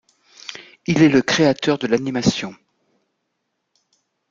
Il est le créateur de l'animation.